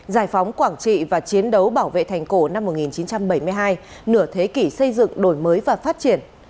giải phóng quảng trị và chiến đấu bảo vệ thành cổ năm một nghìn chín trăm bảy mươi hai nửa thế kỷ xây dựng đổi mới và phát triển